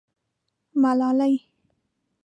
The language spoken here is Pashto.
_ملالۍ.